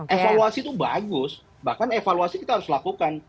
evaluasi itu bagus bahkan evaluasi kita harus lakukan